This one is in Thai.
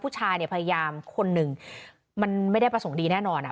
ผู้ชายเนี่ยพยายามคนหนึ่งมันไม่ได้ประสงค์ดีแน่นอนอ่ะ